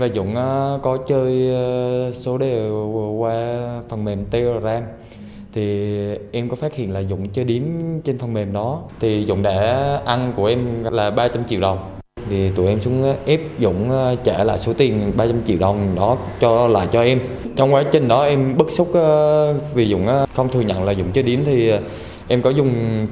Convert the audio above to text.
dũng có dùng kiếm thì em chém hù dũng sợt vào chân trái của dũng